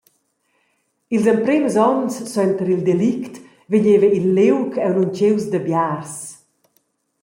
Ils emprems onns suenter il delict vegneva il liug aunc untgius da biars.